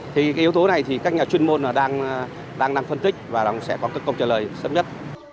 thì cái yếu tố này thì các nhà chuyên môn đang phân tích và sẽ có công trợ lời sớm nhất